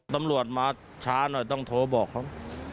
ตำรวจมาช้าหน่อยต้องโทรบอกเขา